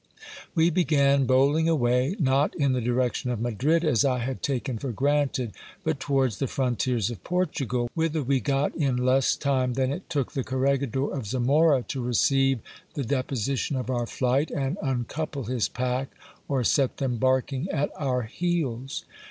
We began bowling away, not in the direction of Madrid, as I had taken for granted, tut towards the frontiers of Portugal, whither we got in less time than it took the corregidor of Zamora to receive the deposition of our flight, and uncouple his pack or set them barking at our heels.